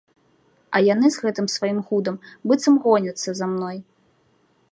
А яны з гэтым сваім гудам быццам гоняцца за мной.